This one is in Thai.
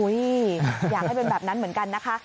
อยากให้เป็นแบบนั้นเหมือนกันนะคะ